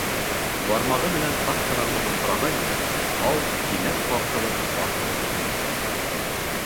Бармағы менән саҡ ҡына тотоңҡорағайны, бау кинәт тартылып, батып китте.